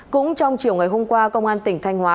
cũng trong chiều ngày hôm qua công an tỉnh thanh hóa